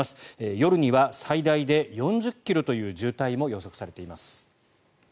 夜には最大で４０ｋｍという渋滞も予測されています。